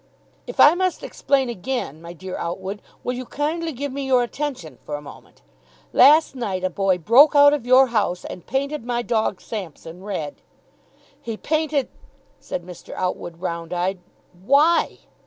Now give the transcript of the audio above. "If I must explain again, my dear Outwood, will you kindly give me your attention for a moment. Last night a boy broke out of your house, and painted my dog Sampson red." "He painted !" said Mr. Outwood, round eyed. "Why?"